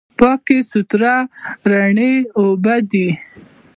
پاکې، سوتره، رڼې اوبه دي.